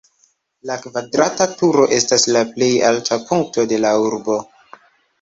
La kvadrata turo estas la plej alta punkto de la urbo.